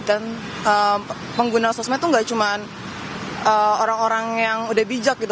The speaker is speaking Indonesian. dan pengguna sosial itu nggak cuma orang orang yang udah bijak gitu